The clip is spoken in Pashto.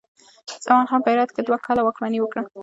زمان خان په هرات کې دوه کاله واکمني وکړه.